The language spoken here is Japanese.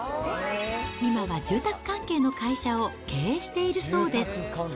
今は住宅関係の会社を経営しているそうです。